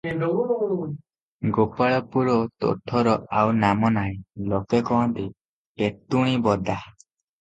ଗୋପାଳପୁର ତୋଠର ଆଉ ନାମ ନାହିଁ, ଲୋକେ କହନ୍ତି ପେତୁଣୀପଦା ।